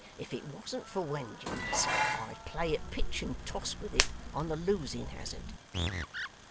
If it wasn't for wengeance, I'd play at pitch and toss with it on the losing hazard.